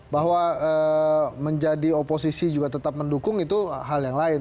bahwa menjadi oposisi juga tetap mendukung itu hal yang lain